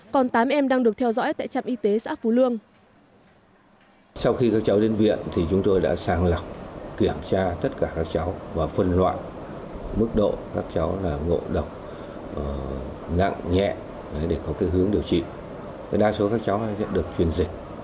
còn tám em đang được theo dõi tại trạm y tế xã phú lương